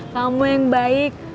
kamu yang baik